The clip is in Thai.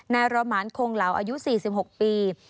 นายรหมานคงเหลาอายุ๔๖ปี